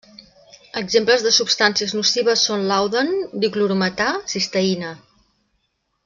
Exemples de substàncies nocives són: làudan, diclorometà, cisteïna.